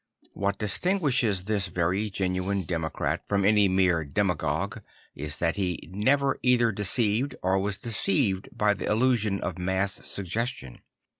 \Vhat distinguishes this very genuine democrat from any mere demagogue is that he never ei th er decei ved or was decei ved by the illusion of mass suggestion.